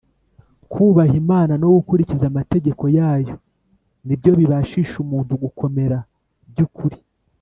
kubaha imana no gukurikiza amategeko yayo ni byo bibashisha umuntu gukomera by’ukuri.